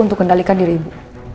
untuk kendalikan diri ibu